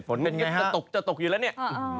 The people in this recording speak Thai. ฝนจะตกจะตกอยู่แล้วเนี่ย